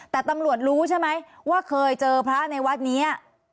แต่ตำรวจรู้ใช่ไหมว่าเคยเจอพระในวัดนี้